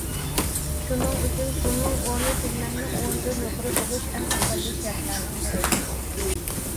شۇنىڭ ئۈچۈن سۇنىڭ ئورنى تۈگمەننىڭ ئورنىدىن يۇقىرى بولۇش ئەڭ ئەقەللىي شەرتلەرنىڭ بىرى.